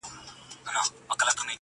o چي خواست کوې، د آس ئې کوه!